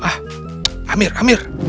ah pamir pamir